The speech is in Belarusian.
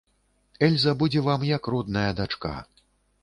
Эльза будзе вам як родная дачка.